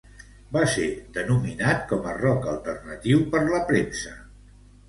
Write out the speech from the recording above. Va ser denominat com a rock alternatiu per la premsa.